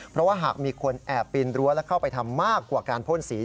เพราะว่าหากมีคนแอบปีนรั้วและเข้าไปทำมากกว่าการพ่นสี